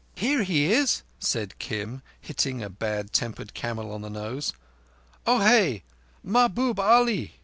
"He is here," said Kim, hitting a bad tempered camel on the nose. "Ohé, Mahbub Ali!"